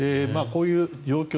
こういう状況